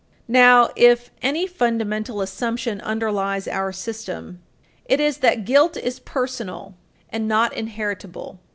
Now, if any fundamental assumption underlies our system, it is that guilt is personal and not inheritable.